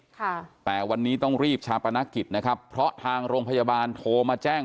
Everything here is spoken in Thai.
ค่ะแต่วันนี้ต้องรีบชาปนกิจนะครับเพราะทางโรงพยาบาลโทรมาแจ้ง